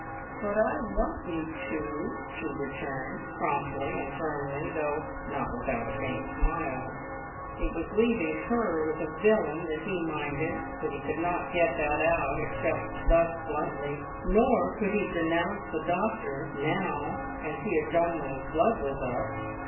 "But I want you to," she returned promptly and firmly, though not without a faint smile. It was leaving her with a villain that he minded; but he could not get that out, except thus bluntly, nor could he denounce the doctor now as he had done when his blood was up.